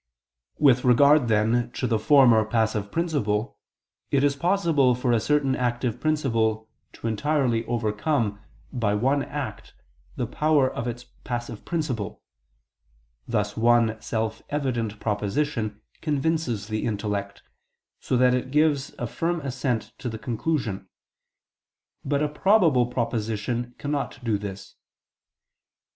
With regard then to the former passive principle, it is possible for a certain active principle to entirely overcome, by one act, the power of its passive principle: thus one self evident proposition convinces the intellect, so that it gives a firm assent to the conclusion, but a probable proposition cannot do this.